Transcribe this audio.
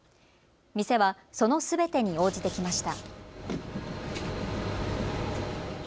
店はそのすべてに応じてきました。